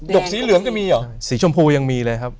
ฤกษ์สีฉมพูยังมีเลยครับ